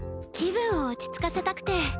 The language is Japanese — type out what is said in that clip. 気分を落ち着かせたくて。